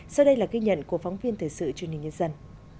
sau đây là ghi nhận của phóng viên thời sự truyền hình nhân dân